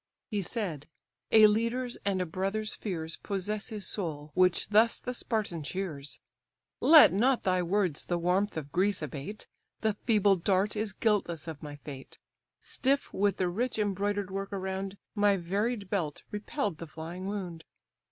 He said: a leader's and a brother's fears Possess his soul, which thus the Spartan cheers: "Let not thy words the warmth of Greece abate; The feeble dart is guiltless of my fate: Stiff with the rich embroider'd work around, My varied belt repell'd the flying wound."